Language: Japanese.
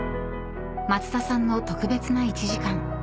［松田さんの特別な１時間］